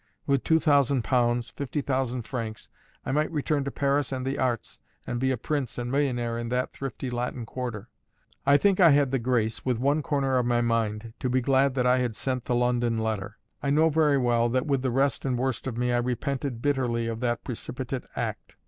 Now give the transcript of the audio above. With two thousand pounds fifty thousand francs I might return to Paris and the arts, and be a prince and millionaire in that thrifty Latin Quarter. I think I had the grace, with one corner of my mind, to be glad that I had sent the London letter: I know very well that with the rest and worst of me, I repented bitterly of that precipitate act.